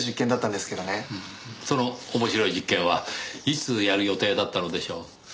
その面白い実験はいつやる予定だったのでしょう？